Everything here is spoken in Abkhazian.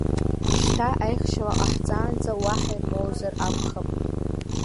Шьҭа аихшьала ҟаҳҵаанӡа уаҳа ирмоуазар акәхап?